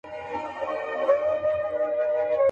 راځی چي وشړو له خپلو کلیو.